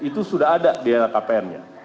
itu sudah ada di lhkpn nya